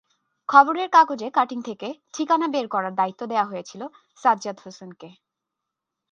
খবরের কাগজের কাটিং থেকে ঠিকানা বের করার দায়িত্ব দেয়া হয়েছিল সাজ্জাদ হোসেনকে।